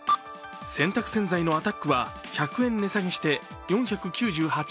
洗濯洗剤のアタックは１００円値下げして４９８円。